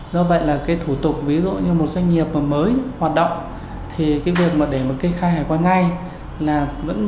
do vậy là cái thủ tục ví dụ như một doanh nghiệp mới hoạt động thì cái việc mà để một cái khai hải quan ngay